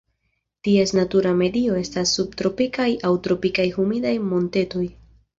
Ties natura medio estas subtropikaj aŭ tropikaj humidaj montetoj.